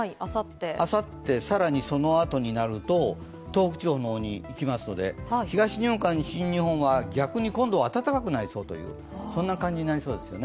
あさって、更にそのあとになると東北地方の方に行きますので東日本から西日本は逆に今度は暖かくなりそうですね。